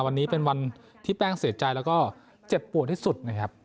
วันนี้เป็นวันที่แป้งเสียใจแล้วก็เจ็บปวดที่สุดนะครับ